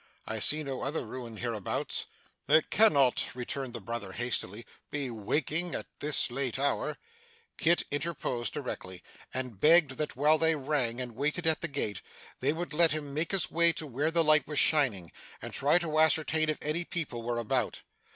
I see no other ruin hereabouts.' 'They cannot,' returned the brother hastily, 'be waking at this late hour ' Kit interposed directly, and begged that, while they rang and waited at the gate, they would let him make his way to where this light was shining, and try to ascertain if any people were about.